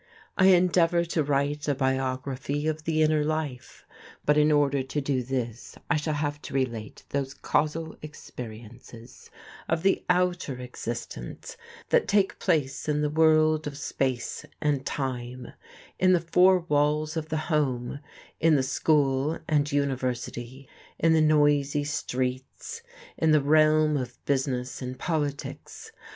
I endeavour to write a biography of the inner life; but in order to do this I shall have to relate those causal experiences of the outer existence that take place in the world of space and time, in the four walls of the home, in the school and university, in the noisy streets, in the realm of business and politics.